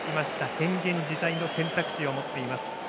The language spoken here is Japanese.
変幻自在の選択肢を持っています。